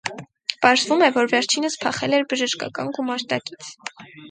Պարզվում է, որ վերջինս փախել էր բժշկական գումարտակից։